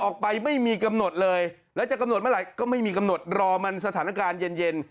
ก็ไม่มีกำหนดรอมันสถานการณ์เย็น